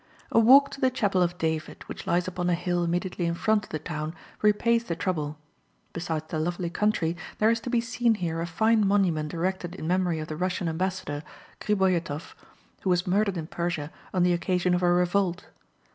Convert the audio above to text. A walk to the Chapel of David, which lies upon a hill immediately in front of the town, repays the trouble. Besides the lovely country, there is to be seen here a fine monument erected in memory of the Russian ambassador, Gribojetof, who was murdered in Persia on the occasion of a revolt.